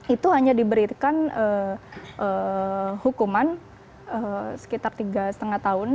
itu hanya diberikan hukuman sekitar tiga lima tahun